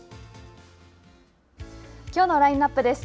きょうのラインナップです。